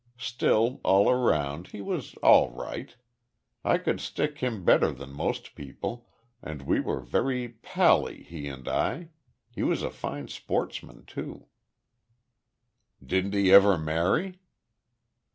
Still, all round, he was all right. I could stick him better than most people, and we were very `pal ly' he and I. He was a fine sportsman too." "Didn't he ever marry?"